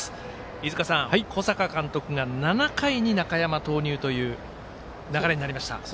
飯塚さん、小坂監督が７回に中山投入という流れになりました。